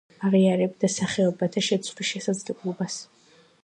აღიარებდა სახეობათა შეცვლის შესაძლებლობას.